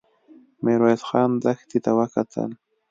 ميرويس خان دښتې ته وکتل.